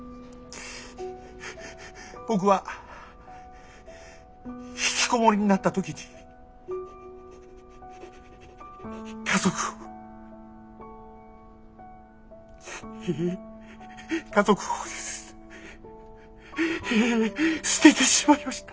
僕はひきこもりになった時に家族を家族をすええ捨ててしまいました。